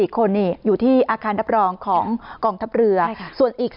๑๓๔คนอยู่ที่อาคารรับรองของกองทัพเหลือนะครับใช่ค่ะ